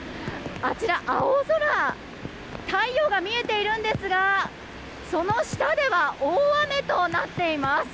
あちら、青空太陽が見えているんですがその下では大雨となっています。